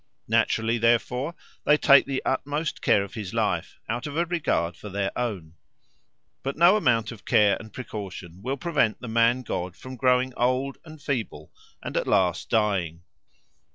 Naturally, therefore, they take the utmost care of his life, out of a regard for their own. But no amount of care and precaution will prevent the man god from growing old and feeble and at last dying.